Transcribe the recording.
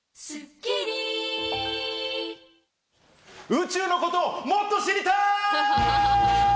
宇宙のことをもっと知りたい！